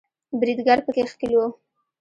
بریدګر په کې ښکیل وو